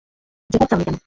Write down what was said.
জবাব দাওনি কেন?